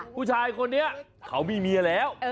ผู้ชายคนนี้เขามีเมียแล้ว